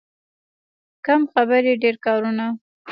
کم خبرې، ډېر کارونه.